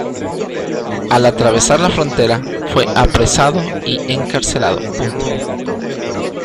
Al atravesar la frontera fue apresado y encarcelado.